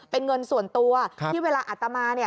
เป็นเงินส่วนตัวที่เวลาอัตมาเนี่ย